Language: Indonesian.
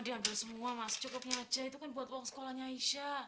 mas jangan digabel semua mas cukupnya aja itu kan buat uang sekolahnya aisyah